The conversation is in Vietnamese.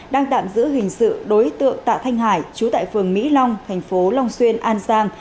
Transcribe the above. đang tạm giữ hình sự đối tượng tạ thanh hải chú tại phường mỹ long thành phố long xuyên an giang